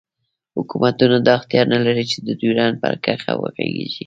حوکمتونه دا اختیار نه لری چی د ډیورنډ پر کرښه وغږیږی